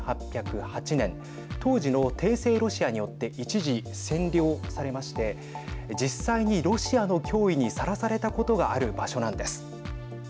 １８０８年当時の帝政ロシアによって一時占領されまして実際にロシアの脅威にさらされたことがある場所なんです。